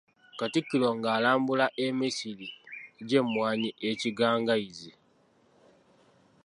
Katikkiro nga alambula emisiri gy’emmwanyi e Kigangazzi.